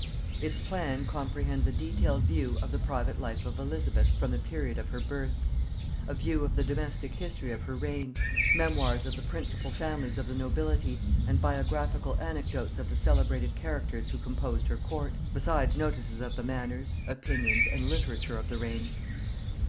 Its plan comprehends a detailed view of the private life of Elizabeth from the period of her birth; a view of the domestic history of her reign; memoirs of the principal families of the nobility and biographical anecdotes of the celebrated characters who composed her court; besides notices of the manners, opinions and literature of the reign.